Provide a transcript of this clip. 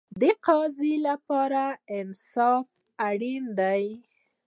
د قاضي لپاره انصاف اړین دی